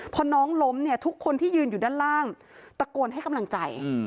พอน้องล้มเนี่ยทุกคนที่ยืนอยู่ด้านล่างตะโกนให้กำลังใจ